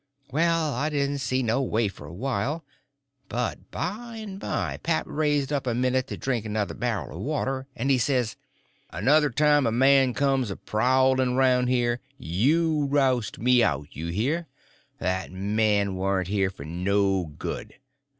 Well, I didn't see no way for a while, but by and by pap raised up a minute to drink another barrel of water, and he says: "Another time a man comes a prowling round here you roust me out, you hear? That man warn't here for no good.